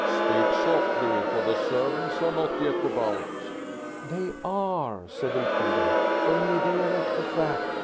"Speak softly, for the servants are not yet about." "They are," said Elfrida, "only they're at the back.